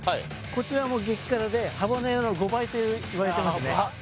こちらも激辛でハバネロの５倍といわれてますね